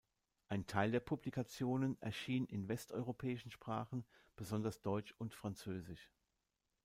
Ein Teil der Publikationen erschien in westeuropäischen Sprachen, besonders deutsch und französisch.